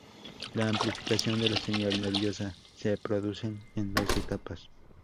La amplificación de la señal nerviosa se producen en dos etapas.